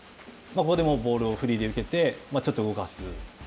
ここでボールをフリーで受けてちょっと動かす。